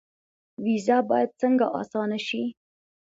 ویزه باید څنګه اسانه شي؟